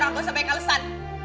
aku sampai kalusan